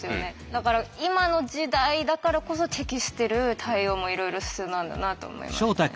だから今の時代だからこそ適してる対応もいろいろ必要なんだなと思いましたね。